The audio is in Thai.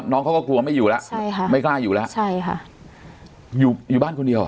น้องเขาก็กลัวไม่อยู่แล้วใช่ค่ะไม่กล้าอยู่แล้วใช่ค่ะอยู่อยู่บ้านคนเดียว